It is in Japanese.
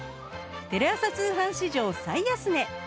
テレ朝通販史上最安値！